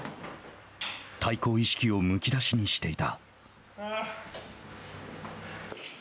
対抗意識をむき出しにしていた。